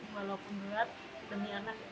walaupun berat demi anak